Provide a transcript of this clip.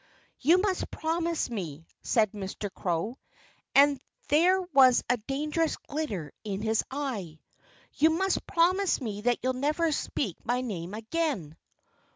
"You must promise me," said Mr. Crow and there was a dangerous glitter in his eye "you must promise me that you'll never speak my name again."